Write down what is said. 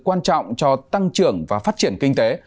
quan trọng cho tăng trưởng và phát triển kinh tế